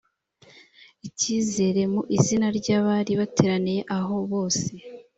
icyizere mu izina ry abari bateraniye aho bose